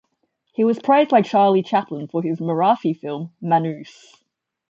He was praised by Charlie Chaplin for his Marathi film "Manoos".